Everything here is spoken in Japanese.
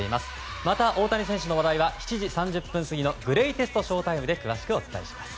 また、大谷選手の話題は７時３０分過ぎのグレイテストＳＨＯ‐ＴＩＭＥで詳しくお伝えします。